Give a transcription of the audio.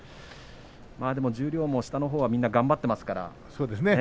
十両も下のほうがみんな頑張ってますからね。